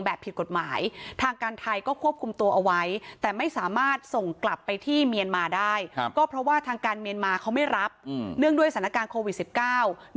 แบบนี้ครับเขาอยู่กันทั้งหมดเนี่ยสองร้อยแปดสิบสี่คน